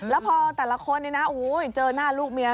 แล้วพอแต่ละคนเจอหน้าลูกเมีย